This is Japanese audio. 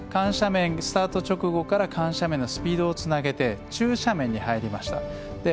スタート直後から緩斜面でスピードにつなげて中斜面に入りました。